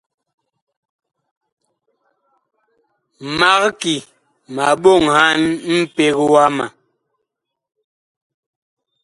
Mag ki ma ɓoŋhan mpeg wama.